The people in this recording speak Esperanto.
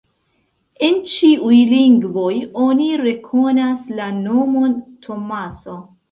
En ĉiuj lingvoj oni rekonas la nomon Tomaso.